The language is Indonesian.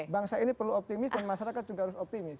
bangsa ini perlu optimis dan masyarakat juga harus optimis